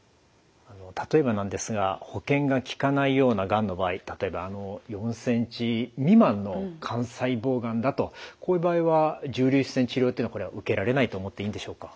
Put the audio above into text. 例えばなんですが保険がきかないようながんの場合例えば４ｃｍ未満の肝細胞がんだとこういう場合は重粒子線治療というのは受けられないと思っていいんでしょうか？